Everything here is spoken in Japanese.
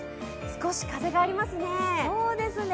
少し風がありますね。